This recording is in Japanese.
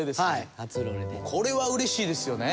これはうれしいですよね。